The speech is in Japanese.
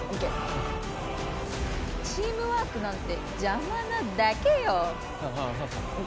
チームワークなんてジャマなだけよ。